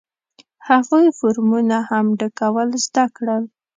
هغوی فورمونه هم ډکول زده کړل.